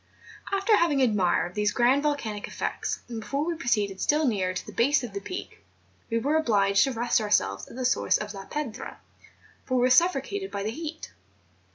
After having admired these grand volcanic effects, and before we proceeded still nearer to the base of the Peak, we were obliged to rest ourselves at the source of La Piedra, for we were suffocated by the heat.